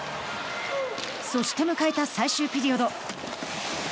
そして、迎えた最終ピリオド。